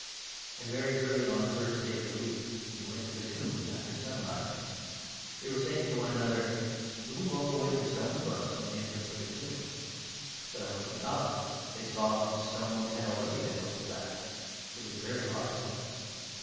And very early on the first day of the week 2 they went to the tomb, after sunrise. They were saying to 3 one another : "Who will roll away the stone for us from the entrance of the tomb ?" But, on looking up, they saw that the stone had already been 4 rolled back ; it was a very large one.